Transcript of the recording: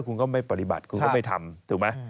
คุณก็ไม่ปฏิบัติคุณก็ไม่ทำ